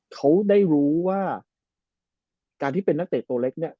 เขาได้รู้ว่าการที่เป็นนักเตะตัวเล็กเนี่ย